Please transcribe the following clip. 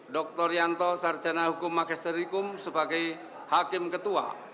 dr rianto sarjana hukum magisterikum sebagai hakim ketua